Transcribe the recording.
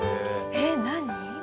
えっ何？